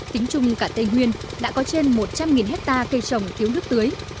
tính chung cả tây nguyên đã có trên một trăm linh hectare cây trồng thiếu nước tưới